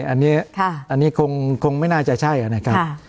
อันนี้คงไม่น่าจะใช่นะครับ